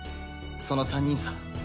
その３人さ。